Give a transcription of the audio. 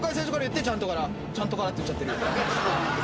「ちゃんとから」って言っちゃってるよ。